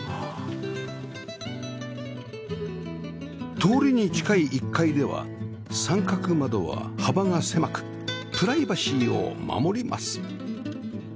通りに近い１階では三角窓は幅が狭くプライバシーを守ります